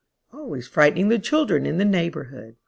always frightening the children in the neighbourhood."